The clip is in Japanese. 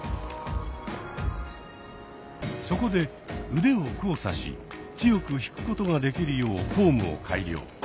そこで腕を交差し強く引くことができるようフォームを改良。